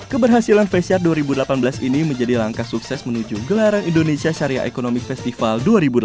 keberhasilan fesha dua ribu delapan belas ini menjadi langkah sukses menuju gelaran indonesia syariah economic festival dua ribu delapan belas